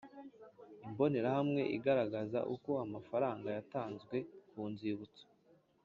Imbonerahamwe igaragaza uko amafaranga yatanzwe ku nzibutso